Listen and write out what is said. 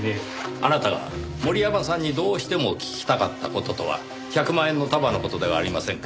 あなたが森山さんにどうしても聞きたかった事とは１００万円の束の事ではありませんか？